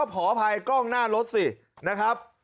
แห่งก็ผอพายกล้องหน้ารถสิคฤษนะครับ